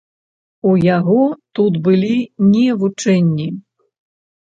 У яго тут былі не вучэнні.